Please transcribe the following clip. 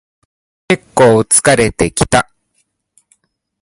けっこう疲れてきた